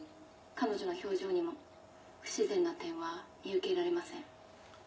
彼女の表情にも不自然な点は見受けられません。